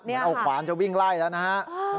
ต้องเอาขวานเจ้าวิ่งไล่แล้วนะฮะ